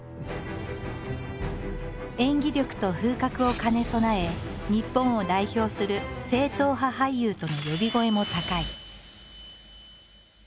演技力と風格を兼ね備え日本を代表する正統派俳優との呼び声も高い。